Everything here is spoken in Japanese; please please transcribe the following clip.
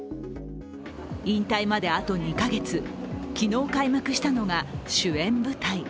引退まであと２か月、昨日開幕したのが主演舞台。